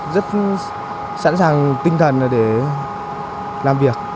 rất sẵn sàng tinh thần để làm việc